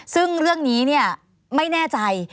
ซึ่งเรื่องนี้ไม่แน่ใจ